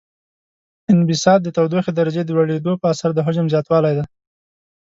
انبساط د تودوخې درجې د لوړیدو په اثر د حجم زیاتوالی دی.